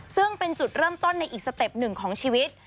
ซึ่งเป็นจุดเริ่มต้นในอีกสเต็ปหนึ่งของชีวิต